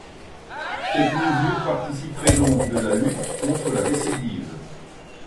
Cette mesure participerait donc de la lutte contre la récidive.